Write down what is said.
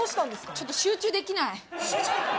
ちょっと集中できない集中？